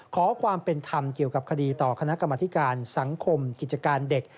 ขอความเป็นธรรมเกี่ยวกับคดีต่อคณะกรรมธิการสังคมกิจการเด็ก